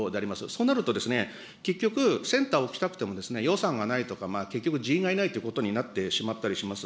そうなると、結局、センターを置きたくても、予算がないとか、結局、人員がいないということになってしまったりします。